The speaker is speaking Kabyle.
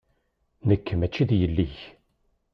Nekk maci d yelli-k.